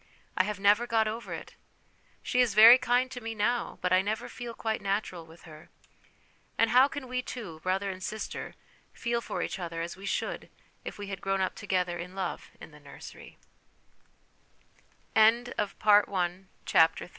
I have never got over it ; she is very kind to me now, but I never feel quite natural with her. And how can we two, brother and sister, feel for each other as we should if we had grown up together in love in the